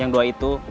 yang dua itu